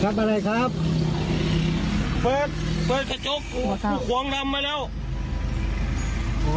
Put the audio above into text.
รับอะไรครับเปิดเปิดสะจกขวางดำมาแล้ว